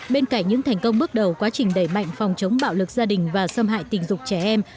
bên cạnh những thành công bước đầu quá trình đẩy mạnh phòng chống bạo lực gia đình và xâm hại tình dục trẻ em